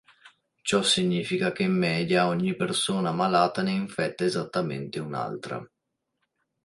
Ciò significa che in media ogni persona malata ne infetta "esattamente" un'altra.